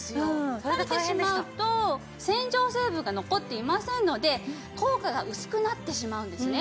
たれてしまうと洗浄成分が残っていませんので効果が薄くなってしまうんですね。